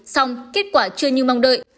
xong kết quả chưa như mong đợi